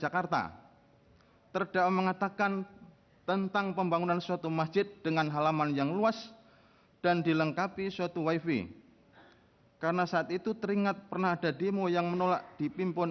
kepulauan seribu kepulauan seribu